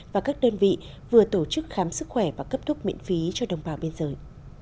và các đơn vị vừa tổ chức khám sức khỏe và cấp thuốc miễn phí cho đồng bào biên giới